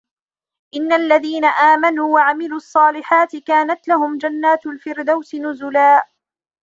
إِنَّ الَّذِينَ آمَنُوا وَعَمِلُوا الصَّالِحَاتِ كَانَتْ لَهُمْ جَنَّاتُ الْفِرْدَوْسِ نُزُلًا